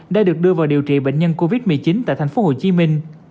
đã được đưa vào điều trị bệnh nhân covid một mươi chín tại thành phố hồ chí minh